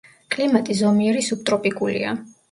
კლიმატი ზომიერი სუბტროპიკულია.